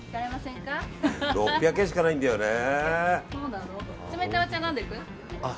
６００円しかないんだよね。